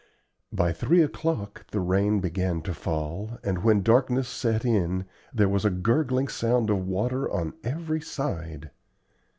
By three o'clock the rain began to fall, and when darkness set in there was a gurgling sound of water on every side.